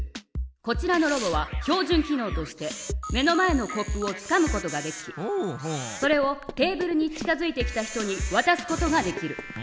こちらのロボは標じゅん機のうとして目の前のコップをつかむことができそれをテーブルに近づいてきた人にわたすことができる。